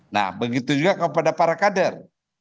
nah begitu juga kepada para kader